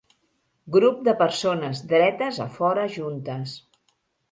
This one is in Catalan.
Grup de persones dretes a fora juntes